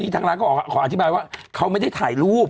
ทางร้านก็ขออธิบายว่าเขาไม่ได้ถ่ายรูป